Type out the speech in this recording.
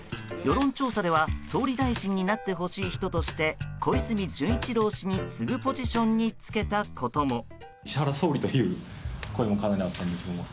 世論調査では総理大臣になってほしい人として小泉純一郎氏に次ぐポジションにつけたことも。